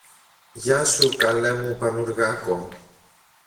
Γεια σου, καλέ μου Πανουργάκο!